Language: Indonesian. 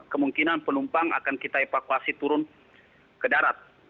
kemungkinan penumpang akan kita evakuasi turun ke darat